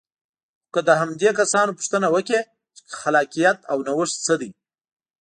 خو که له همدې کسانو پوښتنه وکړئ چې خلاقیت او نوښت څه دی.